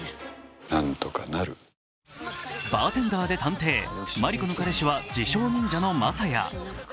バーテンダーで探偵マリコの彼氏は自称・忍者のＭＡＳＡＹＡ。